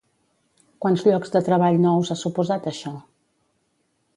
Quants llocs de treball nous ha suposat això?